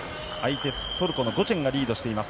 トルコのゴチェンがリードしています。